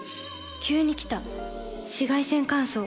急に来た紫外線乾燥。